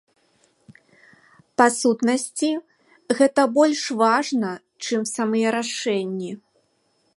Па сутнасці, гэта больш важна, чым самыя рашэнні.